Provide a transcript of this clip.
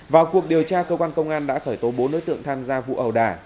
vào cuộc điều tra công an đã khởi tố bốn đối tượng tham gia vụ ẩu đả